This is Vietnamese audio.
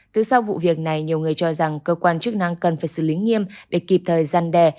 từ sau vụ việc này nhiều người cho rằng cơ quan chức năng cần phải xử lý nghiêm để kịp thời gian đe